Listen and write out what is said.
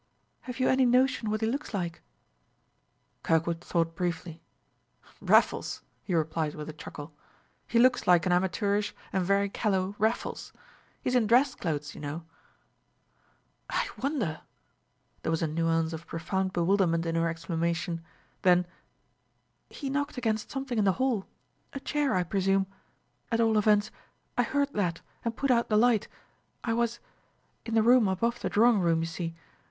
"Have you any notion what he looks like?" Kirkwood thought briefly. "Raffles," he replied with a chuckle. "He looks like an amateurish and very callow Raffles. He's in dress clothes, you know." "I wonder!" There was a nuance of profound bewilderment in her exclamation. Then: "He knocked against something in the hall a chair, I presume; at all events, I heard that and put out the light. I was ... in the room above the drawing room, you see.